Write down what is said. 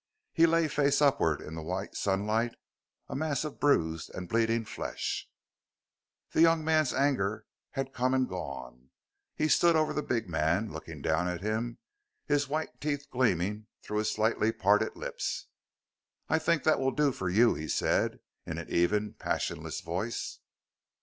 He lay face upward in the white sunlight a mass of bruised and bleeding flesh. The young man's anger had come and gone. He stood over the big man, looking down at him, his white teeth gleaming through his slightly parted lips. "I think that will do for you," he said in an even, passionless voice.